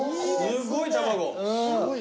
すっごい卵。